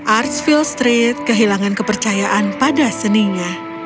artsville street kehilangan kepercayaan pada seninya